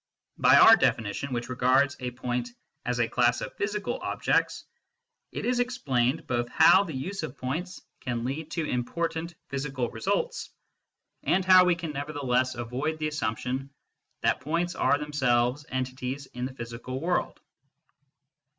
By our definition, which regards a point as a class of physical objects, it is explained both how u8 MYSTICISM AND LOGIC the use of points can lead to important physical results, and how we can nevertheless avoid the assumption that points are themselves entities in the physical world.